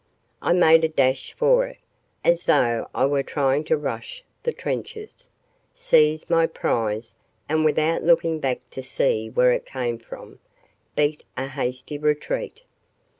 I made a dash for it, as though I were trying to rush the trenches, seized my prize and without looking back to see where it came from, beat a hasty retreat.